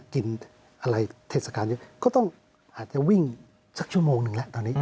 กินอะไรเทศกาลเยอะก็ต้องอาจจะวิ่งสักชั่วโมงหนึ่งแล้วตอนนี้